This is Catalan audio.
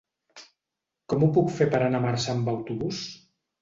Com ho puc fer per anar a Marçà amb autobús?